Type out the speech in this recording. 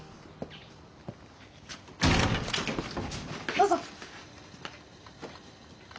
どうぞ。